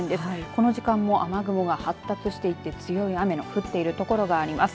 この時間も雨雲が発達していて強い雨の降っている所があります。